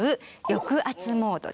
抑圧モード？